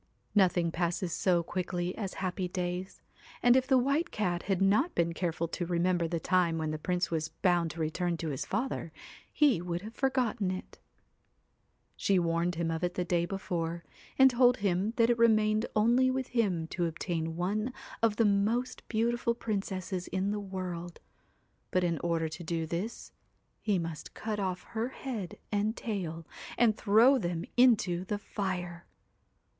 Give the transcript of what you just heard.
Nothing passes so quickly as happy days, and if the White Cat had not been careful to remember the time when the Prince was bound to return to his father, he would have forgotten it. 219 THE She warned him of it the day before, and told him WHITE that it remained only with him to obtain one of the c AT most beautiful princesses in the world ; but in order to do this, he must cut off her head and tail, and throw them into the fire.